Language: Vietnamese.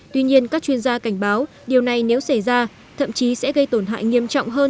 tuy nhiên các chuyên gia cảnh báo điều này nếu xảy ra thậm chí sẽ gây tổn hại nghiêm trọng hơn